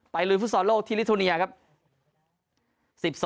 ไปลืมฟุตศาสตร์โลกที่ลิทุเนียครับ